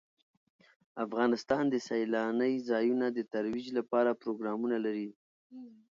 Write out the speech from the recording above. افغانستان د سیلانی ځایونه د ترویج لپاره پروګرامونه لري.